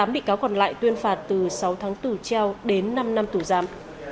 năm mươi tám bị cáo còn lại tuyên phạt từ sáu tháng tù treo đến năm năm tù giám